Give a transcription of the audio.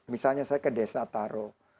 misalnya saya ke desa taro